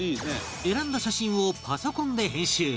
選んだ写真をパソコンで編集